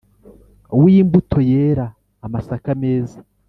W' imbuto yera amasaka meza